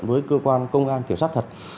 với cơ quan công an kiểm sát